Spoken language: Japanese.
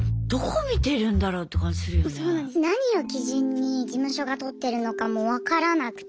何を基準に事務所が採ってるのかも分からなくて。